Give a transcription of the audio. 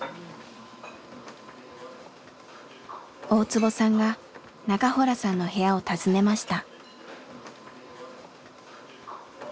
大坪さんが中洞さんの部屋を訪ねました。